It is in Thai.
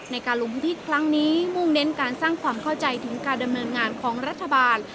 ในการลงพื้นที่ครั้งนี้มุ่งเน้นการสร้างความเข้าใจถึงการดำเนินงานของรัฐบาล